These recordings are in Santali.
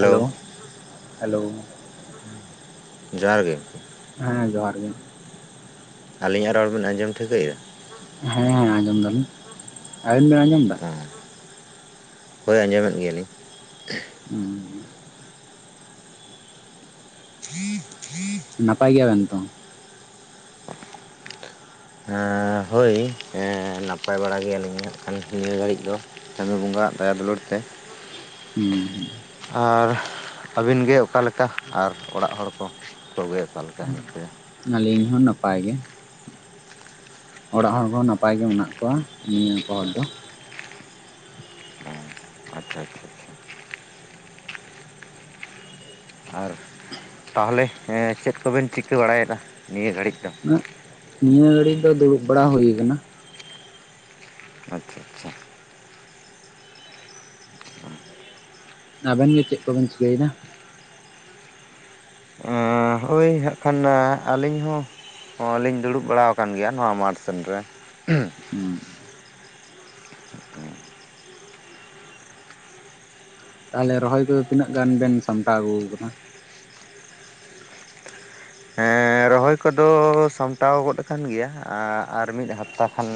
Hello hello. ᱡᱚᱦᱟᱨ ᱜᱮ᱾ ᱦᱮᱸ ᱡᱚᱦᱟᱨ ᱜᱮ᱾ ᱟᱹᱞᱤᱧᱟᱜ ᱨᱚᱲ ᱵᱮᱱ ᱟᱸᱡᱚᱢ ᱴᱷᱤᱠᱟᱹᱭᱮᱫᱟ? ᱦᱮᱸ ᱟᱸᱡᱚᱢ ᱫᱟᱞᱤᱧ᱾ ᱟᱵᱤᱱ ᱵᱮᱱ ᱟᱸᱡᱚᱢ ᱮᱫᱟ? ᱦᱚᱭ ᱟᱸᱡᱚᱢ ᱮᱫ ᱜᱮᱭᱟᱞᱤᱧ᱾ ᱦᱩᱸ᱾ [unintelligible] ᱱᱟᱯᱟᱭ ᱜᱮᱭᱟ ᱵᱮᱱ ᱛᱚ? ᱦᱚᱭ ᱱᱟᱯᱟᱭ ᱜᱮᱭᱟᱞᱤᱧ ᱦᱟᱜ ᱠᱷᱟᱱ ᱱᱤᱭᱟᱹ ᱜᱷᱟᱹᱲᱤᱡ ᱫᱚ᱾ ᱪᱟᱹᱫᱚ ᱵᱚᱸᱜᱟ ᱟᱜ ᱫᱟᱭᱟ ᱫᱩᱞᱟᱹᱲ ᱛᱮ᱾ ᱦᱩᱸ᱾ ᱟᱨ ᱟᱹᱵᱤᱱ ᱜᱮ ᱚᱠᱟᱞᱮᱠᱟ? ᱟᱨ ᱚᱲᱟᱜ ᱦᱚᱲ ᱠᱚ ᱠᱚᱜᱮ ᱚᱠᱟ ᱞᱮᱠᱟ ᱦᱮᱱᱟᱜ ᱯᱮᱭᱟ? ᱟᱞᱤᱧ ᱦᱚᱸ ᱱᱟᱯᱟᱭ ᱜᱮ᱾ ᱚᱲᱟᱜ ᱦᱚᱲ ᱠᱚᱸᱦᱚᱸ ᱱᱟᱯᱟᱭ ᱜᱮ ᱢᱮᱱᱟᱜ ᱠᱚᱣᱟ ᱱᱤᱭᱟᱹ ᱦᱚᱲ ᱫᱚ᱾ ᱟᱪᱷᱟ ᱟᱪᱷᱟ᱾ ᱟᱨ ᱛᱟᱦᱚᱞᱮ ᱪᱮᱫ ᱠᱚᱵᱮᱱ ᱪᱤᱠᱟᱹ ᱵᱟᱲᱟᱭᱮᱫᱟ ᱱᱤᱭᱟᱹ ᱜᱷᱟᱹᱲᱤᱡ ᱫᱚ? ᱱᱤᱭᱟᱹ ᱜᱷᱟᱹᱲᱤᱡ ᱫᱚ ᱫᱩᱲᱩᱵ ᱵᱟᱲᱟ ᱦᱩᱭ ᱟᱠᱟᱱᱟ᱾ ᱟᱪᱷᱟ ᱟᱪᱷᱟ᱾ ᱟᱵᱮᱱ ᱜᱮ ᱪᱮᱫ ᱠᱚᱵᱮᱱ ᱪᱤᱠᱟᱹᱮᱱᱟ? ᱦᱚᱭ ᱦᱟᱸᱟᱜ ᱠᱷᱟᱱ ᱟᱹᱞᱤᱧ ᱦᱚᱸ ᱦᱚᱸᱞᱤᱧ ᱫᱩᱲᱩᱵ ᱵᱟᱲᱟ ᱟᱠᱟᱱ ᱜᱮᱭᱟ ᱱᱚᱣᱟ ᱢᱟᱴᱷᱥᱱ ᱨᱮ᱾ ᱦᱩᱸ᱾ ᱛᱟᱦᱚᱞᱮ ᱨᱚᱦᱚᱭ ᱠᱚᱫᱚ ᱛᱤᱱᱟᱹᱜ ᱜᱟᱱ ᱵᱮᱱ ᱥᱟᱢᱴᱟᱣ ᱟᱹᱜᱩ ᱟᱠᱟᱫᱟ? ᱦᱮᱸ ᱨᱚᱦᱚᱭ ᱠᱚᱫᱚ ᱥᱟᱢᱴᱟᱣ ᱜᱚᱫ ᱟᱠᱟᱱ ᱜᱮᱭᱟ ᱟᱨ ᱢᱤᱫ ᱦᱟᱯᱛᱟ ᱠᱷᱟᱱ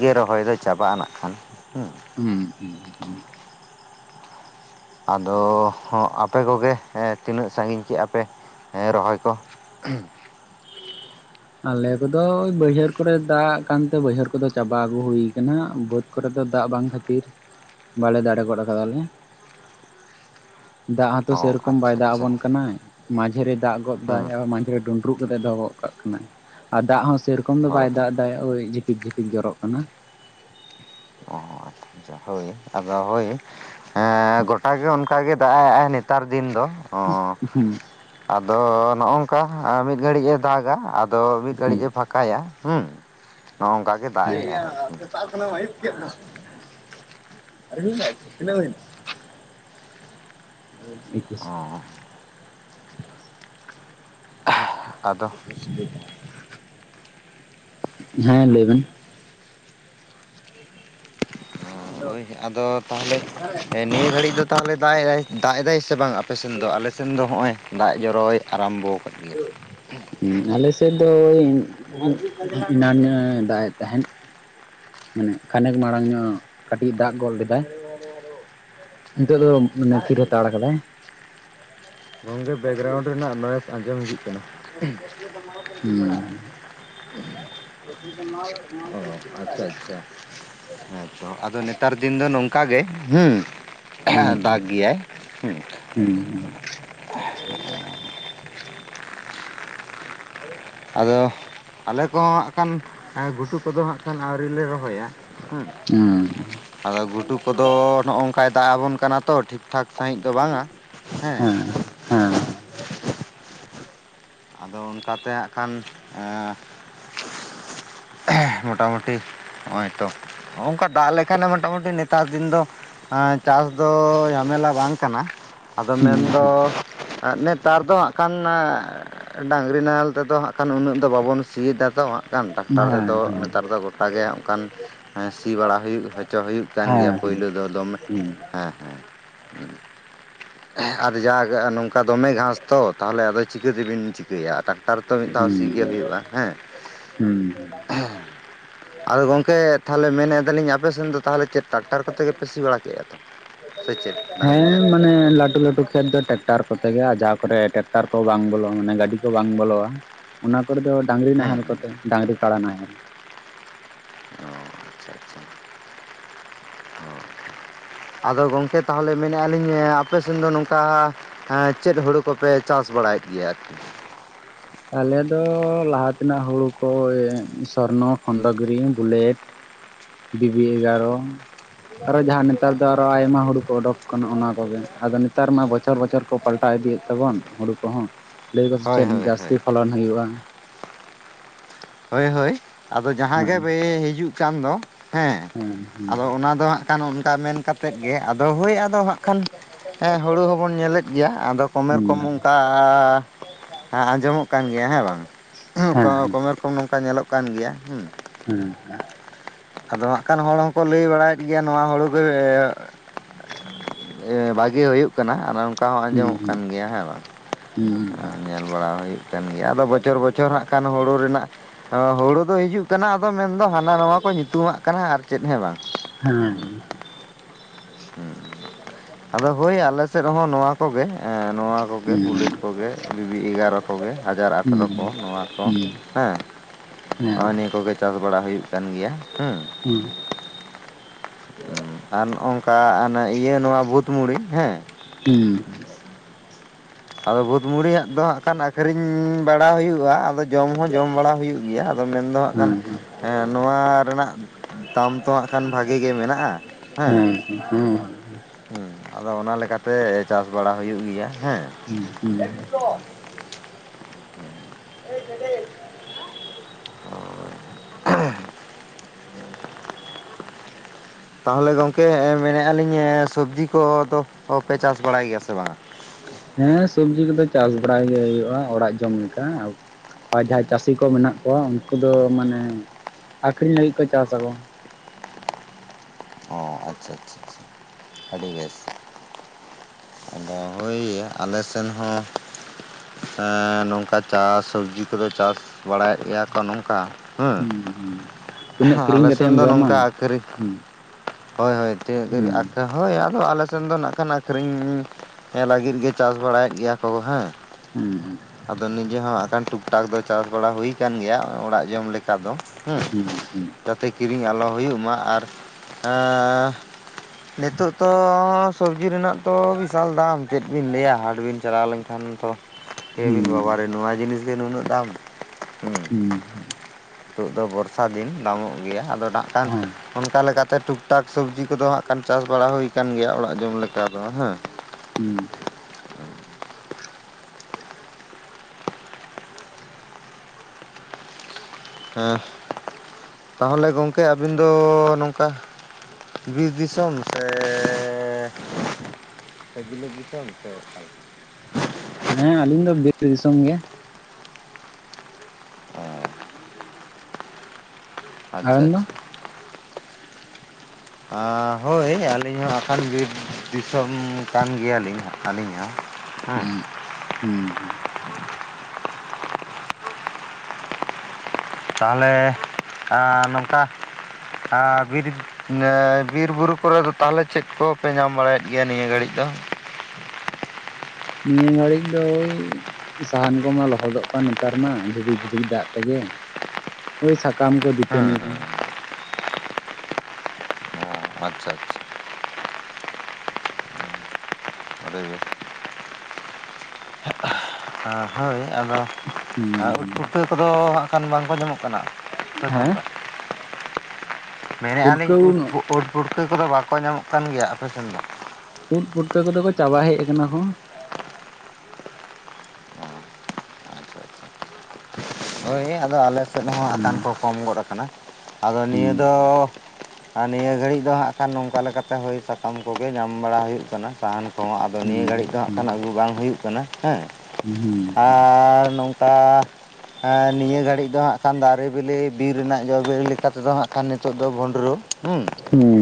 ᱜᱮ ᱨᱚᱦᱚᱭ ᱫᱚ ᱪᱟᱵᱟᱜᱼᱟ ᱱᱟᱜ ᱠᱷᱟᱱ ᱦᱩᱸ᱾ ᱦᱩᱸ ᱦᱩᱸ ᱦᱩᱸ᱾ ᱟᱫᱚ ᱟᱯᱮ ᱠᱚᱜᱮ ᱦᱮᱸ ᱛᱤᱱᱟᱹᱜ ᱥᱟᱺᱜᱤᱧ ᱠᱮᱜᱼᱟ ᱯᱮ? ᱦᱮᱸ ᱨᱚᱦᱚᱭ ᱠᱚ᱾ ᱟᱞᱮ ᱠᱚᱫᱚ ᱵᱟᱹᱭᱦᱟᱹᱲ ᱠᱚᱨᱮ ᱫᱟᱜ ᱠᱟᱱᱛᱮ ᱵᱟᱹᱭᱦᱟᱹᱲ ᱠᱚᱫᱚ ᱪᱟᱵᱟ ᱟᱹᱜᱩ ᱦᱩᱭᱩ ᱟᱠᱟᱱᱟ ᱵᱟᱹᱫᱽ ᱠᱚᱨᱮ ᱫᱚ ᱫᱟᱜ ᱵᱟᱝ ᱠᱷᱟᱹᱛᱤᱨ ᱵᱟᱞᱮ ᱫᱟᱲᱮ ᱜᱚᱫ ᱠᱟᱫᱟᱞᱮ᱾ ᱫᱟᱜ ᱦᱚᱸᱛᱚ ᱚ ᱥᱮᱨᱚᱠᱚᱢ ᱵᱟᱭ ᱟᱪᱪᱷᱟ ᱫᱟᱜ ᱟᱪᱪᱷᱟ ᱟᱵᱚᱱ ᱠᱟᱱᱟ᱾ ᱢᱟᱡᱷᱮ ᱨᱮ ᱫᱟᱜ ᱜᱚᱫ ᱦᱩᱸ ᱮᱫᱟᱭ ᱢᱟᱡᱷᱮᱨᱮ ᱰᱩᱸᱰᱨᱩᱜ ᱠᱟᱛᱮᱜ ᱫᱚᱦᱚ ᱜᱚᱫ ᱠᱟᱜ ᱟᱨ ᱫᱟᱜ ᱦᱚᱸ ᱥᱮᱨᱚᱠᱚᱢ ᱫᱚ ᱦᱳᱭ ᱵᱟᱭ ᱦᱳᱭ ᱫᱟᱜ ᱮᱫᱟ ᱚᱭ ᱡᱷᱤᱯᱤᱠ ᱡᱷᱤᱯᱤᱠ ᱡᱚᱨᱚᱜ ᱠᱟᱱᱟ᱾ ᱚ ᱟᱪᱷᱟ ᱟᱪᱷᱟ ᱦᱟᱭ᱾ ᱟᱫᱚ ᱦᱚᱭ ᱜᱚᱴᱟ ᱜᱮ ᱚᱱᱠᱟᱜ ᱜᱮ ᱫᱟᱜᱼᱟᱭ ᱱᱮᱛᱟᱨ ᱫᱤᱱ ᱫᱚ᱾ ᱚ ᱦᱩᱸ ᱟᱫᱚ ᱱᱚᱜᱝᱠᱟ ᱢᱤᱫ ᱜᱷᱟᱹᱲᱤᱡ ᱮ ᱫᱟᱜᱟ ᱟ ᱟᱫᱚ ᱢᱤᱫ ᱜᱷᱟᱹᱲᱤᱡ ᱦᱩᱸ ᱮ ᱯᱷᱟᱠᱟᱭᱟᱸ ᱦᱩᱸ ᱱᱚᱜᱼᱚ ᱱᱝᱠᱟ ᱜᱮ ᱫᱟᱜ ᱮᱜᱼᱟᱭ ᱟᱨᱠᱤ [unintelligible] ᱚ [unintelligible] [unintelligible] ᱦᱮᱸ ᱞᱟᱹᱭ ᱵᱮᱱ᱾ ᱦᱚᱭ ᱟᱫᱚ ᱛᱟᱦᱚᱞᱮ ᱱᱤᱭᱟᱹ ᱜᱷᱟᱹᱲᱤᱡ ᱫᱚ ᱛᱟᱦᱚᱞᱮ ᱫᱟᱜ ᱮᱫ ᱫᱟᱜ ᱮᱫᱟᱭ ᱥᱮ ᱵᱟᱝᱼᱟ? ᱟᱯᱮᱥᱮᱫ ᱫᱚ ᱟᱞᱮᱥᱮᱱ ᱫᱚ ᱦᱚᱸᱜᱼᱚᱭ ᱫᱟᱜ ᱡᱚᱨᱚᱭ ᱟᱨᱚᱢᱵᱚ ᱟᱠᱟᱫ ᱜᱮᱭᱟ᱾ ᱦᱮᱸ ᱟᱞᱮ ᱥᱮᱫ ᱫᱚ ᱮᱱᱟᱱ ᱫᱟᱜ ᱮᱫ ᱛᱟᱦᱮᱸᱱ᱾ ᱢᱟᱱᱮ ᱠᱷᱟᱱᱮᱠ ᱢᱟᱲᱟᱝ ᱧᱚᱜ ᱠᱟᱹᱴᱤᱡ ᱫᱟᱜ ᱜᱚᱫ ᱞᱮᱫᱟᱭ ᱱᱤᱛᱚᱜ ᱫᱚ ᱢᱟᱱᱮ ᱛᱷᱤᱨ ᱟᱪᱪᱷᱟ ᱦᱟᱛᱟᱲ ᱠᱟᱫᱟᱭ ᱜᱚᱝᱜᱮ ᱵᱮᱠᱜᱨᱟᱣᱩᱱᱰ ᱨᱮᱱᱟᱜ ᱱᱚᱮᱥ ᱟᱸᱡᱚᱢ ᱤᱫᱤᱜ ᱠᱟᱱᱟ ᱚ ᱦᱩᱸ ᱟᱪᱪᱷᱟ ᱟᱪᱪᱷᱟ ᱦᱮᱸᱛᱚ ᱟᱫᱚ ᱱᱮᱛᱟᱨ ᱫᱤᱱ ᱫᱚ ᱱᱚᱝᱠᱟ ᱜᱮ ᱦᱩᱸ ᱦᱩᱸ ᱦᱮ ᱫᱟᱜᱽ ᱜᱮᱭᱟᱭ ᱦᱩᱸ ᱦᱩᱸ ᱦᱩᱸ [unintelligible] ᱟᱫᱚ ᱟᱞᱮ ᱠᱚᱦᱚᱸ ᱦᱟᱸᱜ ᱠᱷᱟᱱ ᱜᱷᱩᱴᱩ ᱠᱚᱫᱚ ᱦᱟᱸᱜ ᱠᱷᱟᱱ ᱟᱹᱣᱨᱤᱞᱮ ᱨᱚᱦᱚᱭᱟ ᱦᱩᱸ ᱦᱮᱸ ᱟᱫᱚ ᱜᱷᱩᱴᱩ ᱠᱚᱫᱚ ᱱᱚᱜᱼᱚ ᱱᱚᱝᱠᱟᱭ ᱫᱟᱜ ᱟᱵᱚᱱ ᱠᱟᱱᱟ ᱛᱚ ᱴᱷᱤᱠ ᱴᱷᱟᱠ ᱥᱟᱺᱦᱤᱡ ᱫᱚ ᱵᱟᱝ-ᱟ ᱦᱮᱸ ᱦᱮᱸ ᱟᱫᱚ ᱚᱱᱠᱟᱛᱮ ᱦᱟᱸᱜ ᱠᱷᱟᱱ ᱮᱸ ᱦᱮᱸ ᱢᱚᱴᱟᱢᱩᱴᱤ ᱱᱚᱜᱼᱚᱭ ᱛᱚ ᱦᱚᱜ ᱚᱝᱠᱟ ᱫᱟᱜ ᱞᱮᱠᱷᱟᱱᱮ ᱢᱚᱴᱟᱢᱩᱴᱤ ᱱᱮᱛᱟᱨ ᱫᱤᱱ ᱫᱚ ᱪᱟᱥ ᱫᱚ ᱡᱷᱟᱢᱮᱞᱟ ᱵᱟᱝ ᱠᱟᱱᱟ ᱟᱫᱚ ᱦᱩᱸ ᱢᱮᱱᱫᱚ ᱦᱩᱸ ᱟᱨ ᱱᱮᱛᱟᱨ ᱫᱚ ᱦᱟᱸᱜ ᱠᱷᱟᱱ ᱰᱟᱹᱝᱨᱤ ᱱᱟᱦᱮᱞ ᱛᱮᱫᱚ ᱦᱟᱸᱜ ᱠᱷᱟᱱ ᱩᱱᱟᱹᱜ ᱫᱚ ᱵᱟᱵᱚᱱ ᱥᱤᱭ ᱫᱟᱛᱚ ᱦᱟᱸᱜ ᱠᱷᱟᱱ ᱴᱟᱠᱼᱼᱼ ᱴᱟᱨ ᱦᱮᱸ ᱛᱮᱫᱚ ᱦᱮᱸ ᱱᱮᱛᱟᱨ ᱫᱚ ᱜᱚᱴᱟᱜᱮ ᱚᱱᱠᱟᱱ ᱦᱮᱸ ᱥᱤ ᱵᱟᱲᱟ ᱦᱩᱭᱩᱜ ᱦᱚᱪᱚ ᱦᱩᱭᱩᱜ ᱦᱮᱸ ᱠᱟᱱ ᱜᱮᱭᱟ ᱦᱮᱸ ᱯᱳᱭᱞᱳ ᱫᱚ ᱫᱚᱢᱮ ᱦᱩᱸ ᱦᱮᱸ ᱟᱨ ᱡᱟ ᱱᱚᱝᱠᱟ ᱫᱚᱢᱮ ᱜᱷᱟᱥ ᱛᱚ ᱛᱟᱦᱚᱞᱮ ᱟᱫᱚ ᱪᱤᱠᱟᱹ ᱛᱮᱵᱤᱱ ᱪᱤᱼᱼ ᱪᱤᱠᱟᱹᱭᱟ ᱴᱟᱠᱴᱟᱨ ᱛᱚ ᱢᱤᱫ ᱫᱷᱟᱣ ᱥᱤᱜᱮ ᱦᱩᱭᱩᱜ-ᱟ ᱦᱮᱸ ᱦᱩᱸᱻ ᱟᱫᱚ ᱜᱚᱢᱠᱮ ᱛᱟᱦᱚᱞᱮ ᱢᱮᱱᱮᱫ ᱫᱟᱞᱤᱧ ᱟᱯᱮ ᱥᱮᱱ ᱫᱚ ᱛᱟᱦᱚᱞᱮ ᱪᱮᱫ ᱴᱟᱠᱴᱟᱨ ᱠᱚᱛᱮ ᱜᱮ ᱯᱮ ᱥᱤ ᱵᱟᱲᱟ ᱠᱮᱫᱼᱟ ᱛᱚ ᱥᱮᱪᱮᱫ ᱰᱟᱝᱨᱤ ᱱᱟᱦᱮᱞ ᱠᱚᱛᱮ ᱞᱟᱴᱩ ᱞᱟᱴᱩ ᱠᱷᱮᱛ ᱫᱚ ᱴᱨᱟᱠᱴᱟᱨ ᱠᱚᱛᱮ ᱜᱮ ᱟᱨ ᱡᱟᱦᱟᱸ ᱠᱚᱨᱮ ᱴᱨᱟᱠᱴᱟᱨ ᱠᱚ ᱵᱟᱝ ᱵᱚᱞᱚᱜ-ᱟ ᱢᱟᱱᱮ ᱜᱟᱹᱰᱤ ᱠᱚ ᱵᱟᱝ ᱵᱚᱞᱚᱜ-ᱟ ᱚᱱᱟ ᱠᱚᱨᱮᱫ ᱫᱚ ᱰᱟᱝᱨᱤ ᱦᱩᱸ ᱱᱟᱦᱮᱞ ᱠᱚᱛᱮ ᱦᱩᱸ ᱰᱟᱹᱟᱝᱨᱤ ᱠᱟᱬᱟ ᱱᱟᱦᱮᱞ ᱚ ᱟᱪᱪᱷᱟ ᱟᱪᱪᱷᱟ ᱟᱫᱚ ᱜᱚᱢᱠᱮ ᱛᱟᱦᱚᱞᱮ ᱢᱮᱱᱮᱜ ᱟᱤᱧ ᱟᱯᱮ ᱥᱮᱱ ᱫᱚ ᱱᱚᱝᱠᱟ ᱪᱮᱫ ᱦᱩᱲᱩ ᱠᱚᱯᱮ ᱪᱟᱥ ᱵᱟᱲᱟᱭᱮᱫ ᱜᱮᱭᱟ ᱟᱨᱠᱤ ᱟᱞᱮ ᱫᱚ ᱞᱟᱦᱟ ᱛᱮᱱᱟᱜ ᱦᱩᱲᱩ ᱠᱚ ᱥᱚᱨᱱᱚ ᱠᱷᱚᱱᱰᱚ ᱜᱤᱨᱤ ᱵᱩᱞᱮᱴ ᱵᱤᱵᱤ ᱮᱜᱟᱨᱚ ᱟᱨᱚ ᱡᱟᱦᱟᱸ ᱱᱮᱛᱟᱨ ᱫᱚ ᱟᱨᱚ ᱟᱭᱢᱟ ᱦᱩᱲᱩ ᱠᱚ ᱚᱰᱩᱠ ᱠᱟᱱᱟ ᱚᱱᱟ ᱠᱚᱜᱮ ᱟᱫᱚ ᱱᱮᱛᱟᱨ ᱢᱟ ᱵᱚᱪᱷᱚᱨ ᱵᱚᱪᱷᱚᱨ ᱠᱚ ᱯᱟᱞᱴᱟᱣ ᱤᱫᱤᱭᱮᱫ ᱛᱟᱵᱚᱱ ᱦᱩᱲᱩ ᱠᱚᱦᱚᱸ ᱞᱟᱹᱭ ᱫᱟ ᱥᱮ ᱦᱳᱭ ᱪᱮᱫ ᱦᱳᱭ ᱦᱳᱭ ᱡᱟᱹᱥᱛᱤ ᱯᱷᱚᱞᱚᱱ ᱦᱩᱭᱩᱜ-ᱟ ᱦᱳᱭ ᱦᱳᱭ ᱟᱫᱚ ᱡᱟᱦᱟᱸ ᱦᱮᱸ ᱜᱮ ᱦᱤᱡᱩᱜ ᱠᱟᱱ ᱫᱚ ᱦᱮᱸ ᱦᱩᱸ ᱦᱩᱸ ᱟᱫᱚ ᱚᱱᱟ ᱫᱚ ᱚᱱᱠᱟ ᱢᱮᱱ ᱠᱟᱛᱮᱫ ᱜᱮ ᱟᱫᱚ ᱦᱳᱭ ᱟᱫᱚ ᱦᱟᱸᱜ ᱠᱷᱟᱱ ᱦᱮᱸ ᱦᱩᱲᱩ ᱦᱚᱸᱵᱚᱱ ᱧᱮᱞᱮᱫ ᱜᱮᱭᱟ ᱟᱫᱚ ᱠᱚᱢᱮᱨ ᱦᱩᱸ ᱠᱚᱢ ᱚᱱᱠᱟ ᱦᱮᱸ ᱟᱸᱡᱚᱢᱚᱜ ᱠᱟᱱ ᱜᱮᱭᱟ ᱦᱮᱸ ᱵᱟᱝ ᱦᱮᱸ ᱠᱚᱢᱮᱨᱚᱠᱚᱢ ᱱᱚᱝᱠᱟ ᱧᱮᱞᱚᱜ ᱠᱟᱱ ᱜᱮᱭᱟ ᱦᱩᱸ ᱦᱩᱸ ᱟᱫᱚ ᱦᱟ. ᱜ ᱠᱷᱟᱱ ᱦᱚᱲ ᱦᱚᱸᱠᱚ ᱞᱟᱹᱭ ᱵᱟᱲᱟᱭᱮᱫ ᱜᱮᱭᱟ ᱱᱚᱣᱟ ᱦᱩᱲᱩ ᱜᱮ [unintelligible] ᱵᱷᱟᱹᱜᱮ ᱦᱩᱭᱩᱜ ᱠᱟᱱᱟ ᱟᱨ ᱚᱱᱠᱟ ᱦᱚᱸ ᱟᱸᱡᱚᱢᱚᱜ ᱦᱩᱸ ᱠᱟᱱ ᱜᱮᱭᱟ ᱦᱮᱸ ᱵᱟᱝ ᱦᱩᱸ ᱦᱮᱸ ᱦᱩᱸ ᱦᱩᱸ ᱧᱮᱞ ᱵᱟᱲᱟ ᱦᱩᱭᱩᱜ ᱠᱟᱱ ᱜᱮᱭᱟ ᱟᱫᱚ ᱵᱚᱪᱷᱚᱨ ᱵᱚᱪᱷᱚᱨ ᱦᱟᱸᱜ ᱠᱷᱟᱱ ᱦᱩᱲᱩ ᱨᱮᱱᱟᱜᱼᱼᱼ ᱦᱩᱲᱩ ᱫᱚ ᱦᱤᱡᱩᱜ ᱠᱟᱱᱟ ᱟᱫᱚ ᱢᱮᱱᱫᱚ ᱦᱟᱱᱟ ᱱᱟᱣᱟ ᱠᱚ ᱧᱩᱛᱩᱢᱟᱜ ᱠᱟᱱᱟ ᱟᱨ ᱪᱮᱫ ᱦᱮᱸ ᱵᱟᱝ᱾ ᱦᱮᱸ ᱦᱩᱸ ᱟᱫᱚ ᱦᱳᱭ ᱟᱞᱮ ᱥᱮᱫ ᱦᱚᱸ ᱱᱚᱣᱟ ᱠᱚ ᱜᱮ᱾ ᱱᱚᱣᱟ ᱠᱚᱜᱮ ᱵᱩᱞᱮᱴ ᱦᱩᱸ ᱠᱚᱜᱮ ᱵᱤᱵᱤ ᱮᱜᱟᱨᱚ ᱠᱚᱜᱮ ᱦᱟᱡᱟᱨ ᱟᱴᱷᱟᱨᱚ ᱠᱚ ᱱᱚᱣᱟ ᱠᱚ᱾ ᱦᱩᱸ ᱦᱮᱸ ᱱᱚᱜᱼᱚᱭ ᱱᱤᱭᱟᱹ ᱠᱚᱜᱮ ᱪᱟᱥ ᱵᱟᱲᱟ ᱦᱩᱭᱩᱜ ᱠᱟᱱ ᱜᱮᱭᱟ ᱦᱩᱸ᱾ ᱟᱨ ᱱᱚᱝᱠᱟ ᱤᱭᱟᱹ ᱱᱚᱣᱟ ᱵᱷᱩᱛ ᱢᱩᱲᱤ ᱦᱮᱸ᱾ ᱦᱩᱸ ᱟᱫᱚ ᱵᱩᱫᱽ ᱢᱩᱲᱤᱭᱟᱜ ᱫᱚ ᱦᱟᱜᱸ ᱠᱷᱟᱱ ᱟᱹᱠᱷᱨᱤᱧ ᱵᱟᱲᱟ ᱦᱩᱭᱩᱜ-ᱟ᱾ ᱟᱫᱚ ᱡᱚᱢ ᱦᱚᱸ ᱡᱚᱢ ᱵᱟᱲᱟ ᱦᱩᱭᱩᱜ ᱜᱮᱭᱟ ᱟᱫᱚ ᱢᱮᱱᱫᱚ ᱦᱟᱜ ᱠᱷᱟᱱ ᱦᱮᱸ ᱱᱚᱣᱟ ᱨᱮᱱᱟᱜ ᱫᱟᱢ ᱛᱚ ᱦᱟᱜᱸ ᱠᱷᱟᱱ ᱵᱷᱟᱜᱮ ᱜᱮ ᱢᱮᱱᱟᱜ-ᱟ᱾ ᱦᱮᱸ ᱦᱩᱸ ᱦᱩᱸ ᱟᱫᱚ ᱚᱱᱟ ᱞᱮᱠᱟᱛᱮ ᱪᱟᱥ ᱵᱟᱲᱟ ᱦᱩᱭᱩᱜ ᱜᱮᱭᱟ ᱦᱮᱸ᱾ ᱦᱩᱸ ᱦᱩᱸ [inaudible] ᱦᱳᱭ ᱛᱟᱦᱚᱞᱮ ᱜᱚᱝᱠᱮ ᱢᱮᱱᱮᱫ ᱟᱹᱞᱤᱧ ᱥᱚᱵᱽᱡᱤ ᱠᱚᱫᱚ ᱯᱮ ᱪᱟᱥ ᱵᱟᱲᱟᱭ ᱜᱮᱭᱟ ᱥᱮ ᱵᱟᱝᱟ? ᱦᱮᱸ ᱥᱚᱵᱽᱡᱤ ᱠᱚᱫᱚ ᱪᱟᱥ ᱵᱟᱲᱟᱭ ᱜᱮ ᱦᱩᱭᱩᱜ-ᱟ ᱚᱲᱟᱜ ᱡᱚᱢ ᱞᱮᱠᱟ᱾ ᱟᱨ ᱡᱟᱦᱟᱸᱭ ᱪᱟᱹᱥᱤ ᱠᱚ ᱢᱮᱱᱟᱜ ᱠᱚᱣᱟ ᱩᱱᱠᱩ ᱫᱚ ᱢᱟᱱᱮ ᱟᱹᱠᱷᱨᱤᱧ ᱞᱟᱹᱜᱤᱫ ᱠᱚ ᱪᱟᱥᱟ ᱠᱚ᱾ ᱚ ᱟᱪᱪᱷᱟ ᱟᱪᱪᱷᱟ ᱟᱹᱰᱤ ᱵᱮᱥ᱾ ᱟᱫᱚ ᱦᱳᱭ ᱟᱞᱮ ᱥᱮᱱ ᱦᱚᱸ ᱦᱮᱸ ᱱᱚᱝᱠᱟ ᱪᱟᱥ ᱥᱚᱵᱽᱡᱤ ᱠᱚᱫᱚ ᱪᱟᱥ ᱵᱟᱲᱟᱭᱮᱫ ᱜᱮᱭᱟ ᱠᱚ ᱱᱚᱝᱠᱟ᱾ ᱦᱩᱸ ᱦᱩᱸ ᱛᱤᱱᱟᱹᱜ ᱦᱚᱸ ᱠᱤᱨᱤᱧ ᱟᱞᱮ ᱠᱟᱛᱮᱫ ᱥᱮᱱ ᱮᱢ ᱫᱚ ᱡᱚᱢᱟ ᱱᱚᱝᱠᱟ ᱟᱹᱠᱨᱤᱧ ᱦᱩᱸ ᱦᱳᱭ ᱦᱳᱭ ᱛᱤᱱᱟᱹᱜ ᱦᱩᱸ ᱫᱷᱟᱨᱤᱡ ᱟᱫᱚ ᱦᱳᱭ ᱟᱫᱚ ᱟᱞᱮᱥᱮᱱ ᱫᱚ ᱱᱟᱜ ᱠᱷᱟᱱ ᱟᱹᱠᱷᱨᱤᱧ ᱞᱟᱹᱜᱤᱫ ᱜᱮ ᱪᱟᱥ ᱵᱟᱲᱟᱭᱮᱫ ᱜᱮᱭᱟ ᱠᱚ ᱦᱟᱸᱜ᱾ ᱦᱩᱸ ᱦᱩᱸ ᱟᱫᱚ ᱱᱤᱡᱮ ᱦᱚᱸ ᱦᱟᱸᱜ ᱠᱷᱟᱱ ᱴᱩᱠ ᱴᱟᱠ ᱫᱚ ᱪᱟᱥ ᱵᱟᱲᱟ ᱦᱩᱭ ᱟᱠᱟᱱ ᱜᱮᱭᱟ ᱚᱲᱟᱜ ᱡᱚᱢ ᱞᱮᱠᱟ ᱫᱚ ᱦᱩᱸ᱾ ᱦᱩᱸ ᱦᱩᱸ ᱡᱟᱛᱮ ᱠᱤᱨᱤᱧ ᱟᱞᱚ ᱦᱩᱭᱩᱜ ᱢᱟ ᱟᱨ ᱟᱻ ᱱᱤᱛᱳᱜ ᱛᱚ ᱥᱚᱵᱽᱡᱤ ᱨᱮᱱᱟᱜ ᱛᱚ ᱵᱤᱥᱟᱞ ᱫᱟᱢ ᱪᱮᱫ ᱵᱤᱱ ᱞᱟᱹᱭᱟ ᱦᱟᱴᱵᱤᱱ ᱪᱟᱞᱟᱣ ᱞᱮᱱᱠᱷᱟᱱ ᱛᱚ᱾ ᱞᱟᱹᱭ ᱦᱩᱸ ᱦᱩᱸ ᱟᱵᱤᱱ ᱵᱟᱵᱟᱨᱮ ᱱᱚᱣᱟ ᱡᱤᱱᱤᱥ ᱜᱮ ᱱᱩᱱᱟᱹᱜ ᱫᱟᱢ ᱦᱩᱸ᱾ ᱦᱩᱸ ᱱᱤᱛᱚᱜ ᱫᱚ ᱵᱚᱨᱥᱟ ᱫᱤᱱ ᱫᱟᱢᱚᱜ ᱜᱮᱭᱟ ᱟᱫᱚ ᱱᱟᱜ ᱠᱷᱟᱱ ᱦᱮᱸ ᱚᱱᱠᱟ ᱞᱮᱠᱟᱛᱮ ᱴᱩᱠ ᱴᱟᱠ ᱥᱚᱵᱽᱡᱤ ᱠᱚᱫᱚ ᱦᱟᱸᱜ ᱠᱷᱟᱱ ᱪᱟᱥ ᱵᱟᱲᱟ ᱦᱩᱭ ᱟᱠᱟᱱ ᱜᱮᱭᱟ ᱚᱲᱟᱜ ᱡᱚᱢ ᱞᱮᱠᱟ ᱫᱚ ᱦᱮᱸ᱾ ᱦᱩᱸ ᱦᱮᱸ ᱛᱟᱦᱚᱞᱮ ᱜᱚᱝᱠᱮ ᱟᱵᱤᱱᱫᱚ ᱱᱚᱝᱠᱟ ᱵᱤᱨ ᱫᱤᱥᱚᱢ ᱥᱮ ᱵᱤᱞᱟᱹᱛ ᱫᱤᱥᱚᱢ ᱥᱮ ᱚᱠᱟ ᱞᱮᱠᱟ? ᱦᱮᱸ ᱟᱹᱞᱤᱧ ᱫᱚ ᱵᱤᱨ ᱫᱤᱥᱚᱢ ᱜᱮ᱾ ᱚ ᱟᱪᱪᱷᱟ ᱟᱵᱮᱱ ᱫᱚ ᱟᱪᱪᱷᱟ [inaudible] ᱟ ᱦᱳᱭ ᱟᱹᱞᱤᱧ ᱦᱚᱸ ᱟᱜ ᱠᱷᱟᱱ ᱵᱤᱨ ᱫᱤᱥᱚᱢ ᱠᱟᱱ ᱜᱮᱭᱟᱞᱤᱧ ᱟᱹᱞᱤᱧ ᱦᱚᱸ᱾ ᱦᱮᱸ ᱦᱩᱸ ᱦᱩᱸ ᱦᱩᱸ ᱛᱟᱦᱚᱞᱮ ᱟ ᱱᱚᱝᱠᱟ ᱟ ᱵᱤᱨ ᱱᱮᱻ ᱵᱤᱨ ᱵᱩᱨᱩ ᱠᱚᱨᱮ ᱫᱚ ᱛᱟᱦᱚᱞᱮ ᱪᱮᱫ ᱠᱚᱯᱮ ᱧᱟᱢ ᱵᱟᱲᱟᱭᱮᱫ ᱜᱮᱭᱟ ᱱᱤᱭᱟᱹ ᱜᱷᱟᱹᱲᱤᱡ ᱫᱚ? ᱱᱤᱭᱟ ᱜᱷᱟᱲᱤᱹᱡ ᱫᱟ ᱳᱭ ᱥᱟᱦᱟᱱ ᱠᱚᱢᱟ ᱞᱚᱦᱚᱫᱚᱜ ᱠᱟᱱ ᱱᱮᱛᱟᱨ ᱢᱟ ᱡᱷᱤᱨᱤ ᱡᱷᱤᱨᱤ ᱫᱟᱜ ᱛᱮᱜᱮ ᱳᱭ ᱥᱟᱠᱟᱢ ᱠᱚ ᱫᱟᱹᱛᱟᱹᱱᱤ ᱦᱮᱸ ᱠᱚ᱾ ᱦᱮᱸ ᱚ ᱟᱪᱪᱷᱟ ᱟᱪᱪᱷᱟ [unintelligible] ᱞᱟᱹᱭ ᱵᱮᱱ᱾ ᱦᱳᱭ ᱟᱫᱚ ᱦᱩᱸ ᱩᱫ ᱦᱩᱸ ᱯᱩᱴᱠᱟᱹ ᱠᱚᱫᱚ ᱦᱟᱸᱜ ᱠᱷᱟᱱ ᱵᱟᱝᱠᱚ ᱧᱟᱢᱚᱜ ᱠᱟᱱᱟ᱾ ᱦᱮᱸ ᱢᱮᱱᱮᱫ-ᱟ ᱯᱩᱴᱠᱟᱹ ᱞᱤᱧ ᱩᱸᱫ ᱯᱩᱴᱠᱟᱹ ᱠᱚᱫᱚ ᱵᱟᱠᱚ ᱧᱟᱢᱚᱜ ᱠᱟᱱ ᱜᱮᱭᱟ ᱟᱯᱮ ᱥᱮᱱ ᱫᱚ᱾ ᱩᱫ ᱯᱩᱴᱠᱟᱹ ᱠᱚᱫᱚ ᱠᱚ ᱪᱟᱵᱟ ᱦᱮᱡ ᱠᱟᱱᱟ ᱠᱚ᱾ ᱟᱪᱪᱷᱟ ᱟᱪᱪᱷᱟ ᱦᱳᱭ ᱟᱫᱚ ᱟᱞᱮ ᱥᱮᱫ ᱦᱚᱸ ᱦᱩᱸ ᱟᱠᱷᱟᱱ ᱠᱚ ᱠᱚᱢ ᱜᱚᱫ ᱠᱟᱱᱟ ᱟᱫᱚ ᱱᱤᱭᱟᱹ ᱦᱩᱸ ᱫᱚ ᱟᱨ ᱱᱤᱭᱟᱹ ᱜᱷᱟᱹᱲᱤᱡ ᱫᱚ ᱦᱟᱸᱜ ᱠᱷᱟᱱ ᱱᱚᱝᱠᱟ ᱞᱮᱠᱟᱛᱮ ᱦᱳᱭ ᱥᱟᱠᱟᱢ ᱠᱚᱜᱮ ᱧᱟᱢ ᱵᱟᱲᱟ ᱦᱩᱭᱩᱜ ᱠᱟᱱᱟ ᱥᱟᱦᱟᱱ ᱠᱚ ᱟᱫᱚ ᱱᱤᱭᱟᱹ ᱦᱩᱸ ᱜᱷᱟᱹᱲᱤᱡ ᱫᱚ ᱦᱟᱜ ᱦᱩᱸ ᱠᱷᱟᱱ ᱟᱹᱜᱩ ᱵᱟᱝ ᱦᱩᱭᱩᱜ ᱠᱟᱱᱟ ᱦᱮᱸ ᱦᱩᱸ ᱟᱨ ᱱᱚᱝ ᱟᱨ ᱱᱤᱭᱟᱹ ᱜᱷᱟᱹᱲᱤᱡ ᱫᱚ ᱦᱟᱸᱜ ᱠᱷᱟᱱ ᱫᱟᱨᱮ ᱵᱤᱞᱤ ᱵᱤᱨ ᱨᱮᱱᱟᱜ ᱡᱚ-ᱵᱤᱞᱤ ᱞᱮᱠᱟᱛᱮᱫᱚ ᱦᱟᱸᱜ ᱠᱷᱟᱱ ᱱᱤᱛᱚᱜ ᱫᱚ ᱵᱷᱸᱰᱨᱟᱹ ᱦᱩᱸ᱾ ᱦᱩᱸ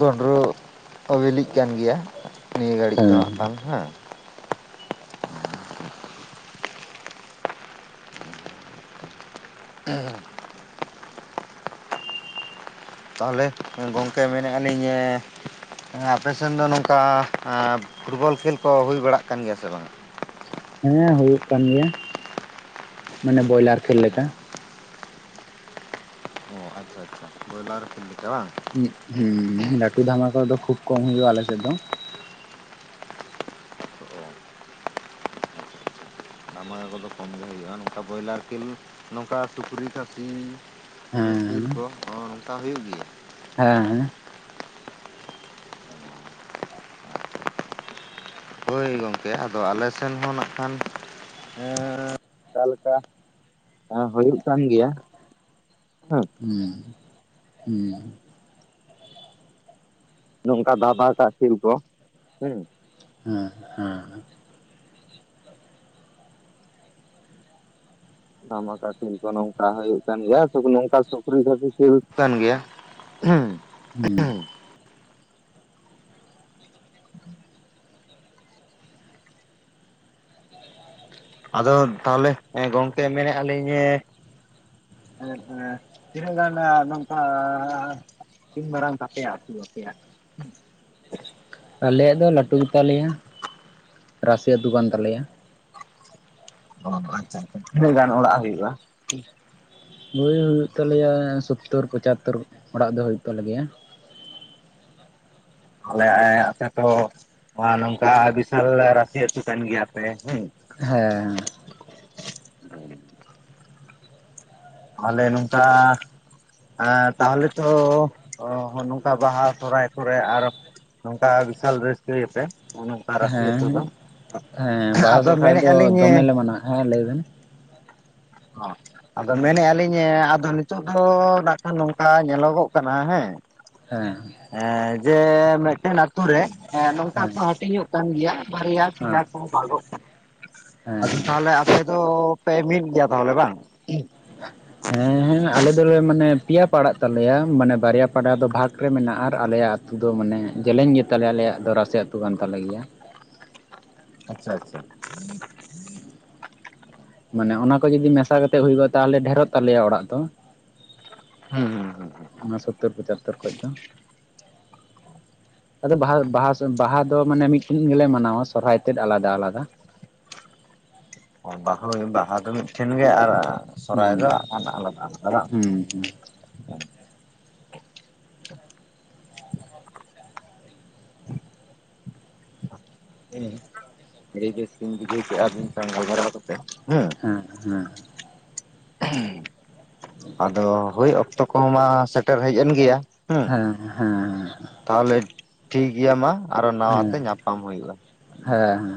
ᱵᱚᱸᱰᱨᱳ ᱚ ᱵᱤᱞᱤᱜ ᱠᱟᱱ ᱜᱮᱭᱟ ᱱᱤᱭᱟᱹ ᱜᱷᱟᱹᱲᱤᱡ ᱫᱚ ᱦᱳᱭ ᱦᱟᱸᱜ ᱵᱟᱝ ᱦᱮᱸ᱾ ᱦᱩᱸ ᱛᱟᱦᱚᱞᱮ ᱜᱚᱢᱠᱮ ᱢᱮᱱᱮᱫ ᱟᱹᱱᱤᱧ ᱦᱮᱸ ᱟᱯᱮ ᱥᱮᱱ ᱫᱚ ᱱᱚᱝᱠᱟ ᱯᱷᱩᱴᱵᱚᱞ ᱠᱷᱮᱞ ᱠᱚ ᱦᱩᱭ ᱵᱟᱲᱟᱜ ᱠᱟᱱ ᱜᱮᱭᱟ ᱥᱮ ᱵᱟᱝᱟ? ᱦᱮᱸ ᱦᱩᱭᱩᱜ ᱠᱟᱱ ᱜᱮᱭᱟ ᱢᱟᱱᱮ ᱵᱚᱭᱞᱟᱨ ᱠᱷᱮᱞ ᱞᱮᱠᱟ ᱚ ᱟᱪᱪᱷᱟ ᱟᱪᱪᱷᱟ ᱵᱚᱭᱞᱟᱨ ᱠᱷᱮᱞ ᱵᱟᱝ? ᱦᱩᱸ ᱞᱟᱹᱴᱩ ᱫᱷᱟᱢᱟᱠᱟ ᱠᱚ ᱫᱚ ᱠᱷᱩᱵ ᱠᱚᱢ ᱦᱩᱭᱩᱜ-ᱟ ᱟᱞᱮ ᱥᱮᱜ ᱫᱚ᱾ ᱫᱟᱢ ᱠᱚᱫᱚ ᱠᱚᱢ ᱜᱮ ᱦᱩᱭᱩᱜ-ᱟ ᱱᱚᱝᱠᱟ ᱵᱚᱭᱞᱟᱨ ᱠᱤᱞ ᱱᱚᱝᱠᱟ ᱥᱩᱠᱨᱤ ᱠᱷᱥᱤ ᱦᱮᱸ ᱥᱤᱞ ᱠᱚ ᱱᱚᱝᱠᱟ ᱦᱩᱭᱩᱜ ᱜᱮᱭᱟ᱾ ᱦᱮᱸᱦᱮᱸ ᱦᱳᱭ ᱜᱚᱢᱠᱮ ᱟᱫᱚ ᱟᱞᱮ ᱥᱮᱱ ᱦᱚᱸ ᱱᱟᱜ ᱠᱷᱟᱱ ᱦᱮᱸ ᱚᱠᱟ ᱞᱮᱠᱟ ᱦᱮᱸ ᱦᱩᱭᱩᱜ ᱠᱟᱱ ᱜᱮᱭᱟ᱾ ᱦᱮᱸ ᱦᱮᱸ ᱦᱩᱸ ᱱᱚᱝᱠᱟ ᱵᱟᱵᱟᱛᱟ ᱠᱷᱤᱞ ᱠᱚ, ᱦᱮᱸ᱾ ᱦᱩᱸ ᱦᱮᱸ ᱫᱷᱟᱢᱟᱠᱟ ᱠᱷᱮᱞ ᱠᱚ ᱱᱚᱝᱠᱟ ᱦᱩᱭᱩᱜ ᱠᱟᱱ ᱜᱮᱭᱟ [unintelligible] ᱱᱚᱝᱠᱟ ᱥᱩᱠᱨᱤ ᱠᱷᱟᱹ [unintelligible] ᱠᱚ ᱦᱩᱭᱩᱜ ᱠᱟᱱ ᱜᱮᱭᱟ᱾ ᱦᱩᱸ [unintelligible] [unintelligible] ᱟᱫᱚ ᱛᱟᱦᱚᱞᱮᱸ ᱜᱚᱝᱠᱮ ᱢᱮᱱᱮᱫ-ᱟ ᱞᱤᱧ ᱦᱮᱜ ᱛᱤᱱᱟᱜ ᱜᱟᱱ ᱱᱚᱝᱠᱟ? ᱤᱱ ᱢᱟᱨᱟᱝ ᱛᱯᱮᱭᱟᱜ ᱟᱹᱛᱩ ᱟᱯᱮᱭᱟᱜ? ᱟᱞᱮᱭᱟᱜ ᱫᱚ ᱞᱟᱹᱴᱩ ᱜᱮᱛᱟᱞ ᱞᱮᱭᱟ ᱨᱟᱥᱤ ᱟᱛᱩ ᱠᱟᱱ ᱛᱟᱞᱮᱭᱟ᱾ ᱚ ᱟᱪᱪᱷᱟ ᱟᱪᱪᱷᱟ ᱛᱤᱱᱟᱹᱜ ᱜᱟᱱ ᱚᱲᱟᱜ ᱦᱩᱭᱩᱜ-ᱟ? ᱵᱳᱭ ᱦᱩᱭᱩᱜ ᱛᱟᱞᱮᱭᱟ ᱥᱳᱛᱛᱳᱨ ᱯᱚᱪᱟᱛᱳᱚᱨ ᱚᱲᱟᱜ ᱫᱚ ᱦᱩᱭᱩᱜ ᱛᱟᱞᱮ ᱜᱮᱭᱟ᱾ ᱟᱞᱮ ᱟᱯᱮ ᱟᱛᱚ ᱦᱚ ᱾ ᱱᱚᱣᱟ ᱱᱚᱝᱠᱟ ᱵᱤᱥᱟᱞ ᱵᱮᱨᱟ ᱨᱟᱥᱤ ᱟᱹᱛᱩ ᱠᱟᱱ ᱜᱮᱭᱟᱯᱮ ᱦᱮᱸ᱾ ᱦᱮᱸ᱾ ᱟᱞᱮ ᱱᱚᱝᱠᱟ ᱛᱟᱦᱚᱞᱮ ᱛᱚ ᱱᱚᱝᱠᱟ ᱵᱟᱦᱟ ᱥᱚᱦᱦᱟᱭ ᱠᱚᱨᱮ ᱟᱨᱚ ᱱᱚᱝᱠᱟ ᱵᱤᱥᱟᱞ ᱨᱟᱹᱥᱠᱟᱹᱭᱟᱯᱮ ᱱᱚᱜ ᱱᱚᱝᱠᱟ ᱨᱟᱹᱥᱤ ᱦᱮᱸ ᱟᱹᱛᱩ ᱫᱚ᱾ ᱦᱮᱸ ᱵᱟᱦᱟ ᱟᱫᱚ ᱥᱚᱨᱦᱟᱭ ᱫᱚ ᱢᱮᱱᱮᱫᱼᱟ ᱞᱤᱧ ᱫᱚᱢᱮᱞᱮ ᱢᱟᱱᱟᱣᱟ ᱦᱮᱸ ᱞᱟᱹᱭ ᱵᱮᱱ᱾ ᱚ᱾ ᱟᱫᱚ ᱢᱮᱱᱮᱜ-ᱟ ᱞᱤᱧ ᱟᱫᱚ ᱱᱤᱛᱚᱜ ᱫᱚ ᱱᱟᱜᱠᱷᱟᱱ ᱱᱚᱝᱠᱟ ᱧᱮᱞᱚᱜᱚᱜ ᱠᱟᱱᱟ ᱦᱮᱸ᱾ ᱦᱮᱸ᱾ ᱮᱸ ᱡᱮ ᱢᱮᱱᱴᱮᱱ ᱟᱛᱳ ᱨᱮ ᱦᱮᱸ ᱱᱚᱝᱠᱟ ᱠᱚ ᱦᱟᱹᱴᱤᱧᱚᱜ ᱠᱟᱱ ᱜᱮᱭᱟ ᱵᱟᱨᱭᱟ ᱯᱤᱭᱟ ᱦᱮᱸ ᱠᱚ ᱵᱷᱟᱜᱚᱜ ᱠᱟᱱᱟ᱾ ᱦᱮᱸ ᱟᱫᱚ ᱛᱟᱦᱞᱮ ᱟᱯᱮ ᱫᱚ ᱯᱮ ᱢᱤᱫ ᱜᱮᱭᱟ ᱛᱟᱦᱞᱮ ᱵᱟᱝ? ᱦᱮᱸ ᱦᱮᱸ, ᱟᱞᱮ ᱫᱚᱞᱮ ᱢᱟᱱᱮ ᱯᱮᱭᱟ ᱯᱟᱲᱟᱜ ᱛᱟᱞᱮᱭᱟ ᱢᱟᱱᱮ ᱵᱟᱨᱭᱟ ᱯᱟᱲᱟ ᱫᱚ ᱵᱷᱟᱜᱽ ᱨᱮ ᱢᱮᱱᱟᱜ-ᱟ ᱟᱨ ᱟᱞᱮᱭᱟᱜ ᱟᱛ ᱟᱫᱚ ᱢᱟᱱᱮ ᱡᱮᱞᱮᱧ ᱜᱮᱛᱟᱞᱮᱭᱟ ᱟᱞᱮᱭᱟᱜ ᱫᱚ ᱨᱟᱥᱤ ᱟᱹᱛᱩ ᱠᱟᱱ ᱛᱟᱞᱮ ᱜᱮᱭᱟ᱾ ᱟᱪᱪᱷᱟ ᱟᱪᱪᱷᱟ᱾ ᱢᱟᱱᱮ ᱚᱱᱟ ᱠᱚ ᱡᱩᱫᱤ ᱢᱮᱥᱟ ᱠᱟᱛᱮᱜ ᱦᱩᱭᱩᱜᱚᱜ-ᱟ ᱛᱟᱦᱚᱞᱮ ᱰᱷᱮᱨᱚᱜ ᱛᱟᱞᱮᱭᱟ ᱚᱲᱟᱜ ᱫᱚ᱾ ᱦᱩᱸ ᱾ ᱚᱱᱟ ᱥᱳᱛᱛᱳᱨ ᱯᱚᱪᱟᱛᱛᱳᱨ ᱠᱷᱚᱡ ᱫᱚ᱾ ᱟᱫᱚ ᱵᱟᱦᱟ ᱵᱟᱦᱟ ᱵᱟᱦᱟ ᱫᱚ ᱢᱟᱱᱮ ᱢᱤᱫᱴᱮᱱ ᱜᱮᱞᱮ ᱢᱟᱱᱟᱣᱟ ᱥᱚᱨᱦᱟᱭ ᱛᱮᱫ ᱟᱞᱟᱫᱟ ᱟᱞᱟᱫᱟ᱾ [inaudible] ᱵᱟᱦᱟ ᱵᱟᱦᱟ ᱫᱚ ᱢᱤᱫᱴᱷᱮᱱ ᱜᱮ ᱟᱨ ᱦᱩᱸ ᱥᱚᱨᱦᱟᱭ ᱫᱚ ᱦᱟᱜᱠᱷᱟᱱ ᱟᱞᱟᱫᱟ ᱟᱞᱟᱫᱟ ᱵᱟᱝ? ᱦᱩᱸ ᱦᱩᱸ ᱦᱮᱸ ᱡᱟᱹᱥᱛᱤᱧ ᱵᱩᱡᱷᱟᱹᱣ ᱠᱮᱜ-ᱟ ᱟᱹᱵᱤᱱ ᱥᱟᱣ ᱜᱟᱞᱢᱟᱨᱟᱣ ᱠᱟᱛᱮ ᱦᱮᱸ᱾ [unintelligible] ᱟᱫᱚ ᱦᱳᱭ ᱚᱠᱛᱚ ᱠᱚ ᱦᱚᱸ ᱢᱟ ᱥᱮᱴᱮᱨ ᱦᱮᱡ ᱮᱱ ᱜᱮᱭᱟ ᱦᱮᱸ᱾ ᱦᱮᱸ ᱦᱮᱸ᱾ ᱛᱟᱦᱚᱞᱮ ᱴᱷᱤᱠ ᱜᱮᱭᱟ ᱢᱟ ᱟᱨᱚ ᱦᱮᱸ ᱱᱟᱣᱟ ᱦᱮᱸ ᱛᱮ ᱧᱟᱯᱟᱢ ᱦᱩᱭᱩᱜ-ᱟ᱾ ᱦᱮᱸ